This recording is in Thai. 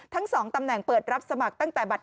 ทั้ง๒ตำแหน่งเปิดรับสมัครตั้งแต่บัตร